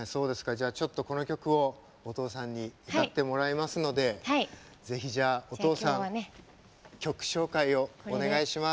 じゃあちょっとこの曲をお父さんに歌ってもらいますので是非じゃあお父さん曲紹介をお願いします。